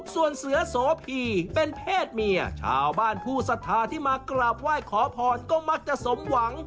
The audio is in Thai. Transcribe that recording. ส่วนเสือโสพีเป็นเพศเมียชาวบ้านผู้ศรัทธาที่มากราบไหว้ขอพรก็มักจะสมหวัง